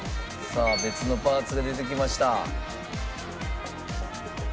さあ別のパーツが出てきました。